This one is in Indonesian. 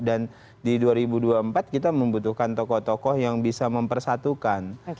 dan di dua ribu dua puluh empat kita membutuhkan tokoh tokoh yang bisa mempersatukan